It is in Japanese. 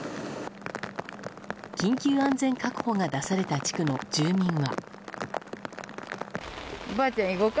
緊急安全確保が出された地区の住民は。